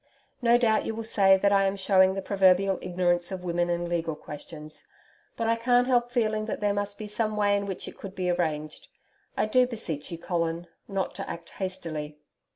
No doubt, you will say that I am shewing the proverbial ignorance of women in legal questions. But I can't help feeling that there must be some way in which it could be arranged. I do beseech you, Colin, not to act hastily.